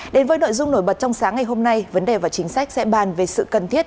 đến với nội dung nổi bật trong sáng ngày hôm nay vấn đề và chính sách sẽ bàn về sự cần thiết